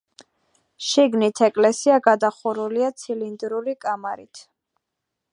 შიგნით ეკლესია გადახურულია ცილინდრული კამარით.